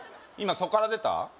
今そっから出た？